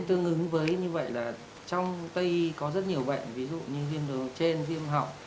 thế tương ứng với như vậy là trong tây y có rất nhiều bệnh ví dụ như viêm hô hấp trên viêm học